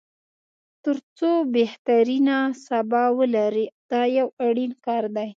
تر څو بهترینه سبا ولري دا یو اړین کار دی.